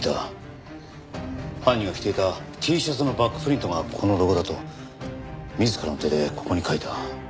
犯人が着ていたＴシャツのバックプリントがこのロゴだと自らの手でここに描いた。